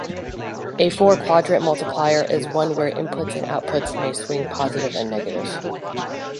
A four-quadrant multiplier is one where inputs and outputs may swing positive and negative.